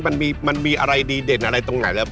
มันมีอะไรดีเด่นอะไรตรงไหนแล้ว